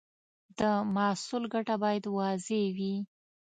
د محصول ګټه باید واضح وي.